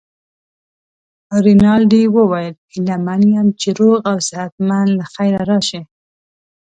رینالډي وویل: هیله من یم چي روغ او صحت مند له خیره راشې.